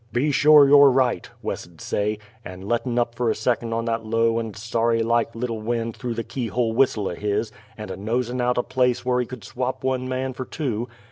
"Be shore you're right," Wes 'ud say, a lettin' up fer a second on that low and sorry like little wind through the keyhole whistle o' his, and a nosin' out a place whur he could swap one man fer two.